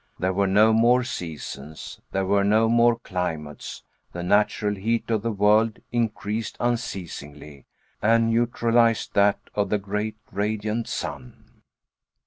There were no more seasons; there were no more climates; the natural heat of the world increased unceasingly, and neutralized that of the great radiant Sun.